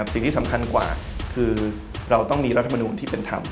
สิ่งที่สำคัญกว่าคือเราต้องมีรัฐมนูลที่เป็นธรรม